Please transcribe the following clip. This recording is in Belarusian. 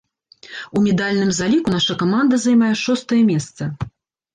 У медальным заліку наша каманда займае шостае месца.